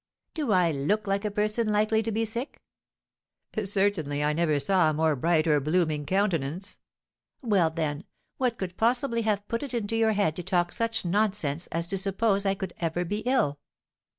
"Do I look like a person likely to be sick?" "Certainly I never saw a more bright or blooming countenance." "Well, then, what could possibly have put it into your head to talk such nonsense as to suppose I could ever be ill?"